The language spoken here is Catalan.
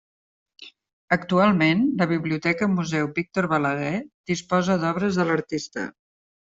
Actualment, la Biblioteca Museu Víctor Balaguer disposa d'obres de l'artista.